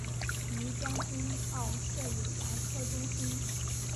于将军澳设有牙科中心。